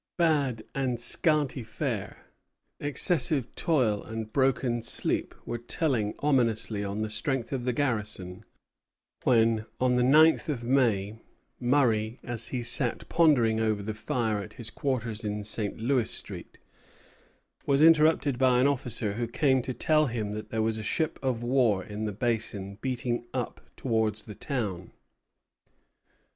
Bad and scanty fare, excessive toil, and broken sleep were telling ominously on the strength of the garrison when, on the ninth of May, Murray, as he sat pondering over the fire at his quarters in St. Louis Street, was interrupted by an officer who came to tell him that there was a ship of war in the Basin beating up towards the town.